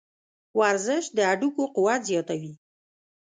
ورزش د هډوکو قوت زیاتوي.